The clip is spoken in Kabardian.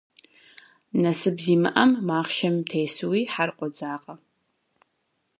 Насып зимыӏэм, махъшэм тесууи, хьэр къодзакъэ.